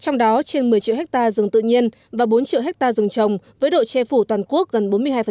trong đó trên một mươi triệu hectare rừng tự nhiên và bốn triệu hectare rừng trồng với độ che phủ toàn quốc gần bốn mươi hai